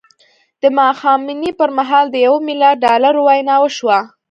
د ماښامنۍ پر مهال د یوه میلیارد ډالرو وینا وشوه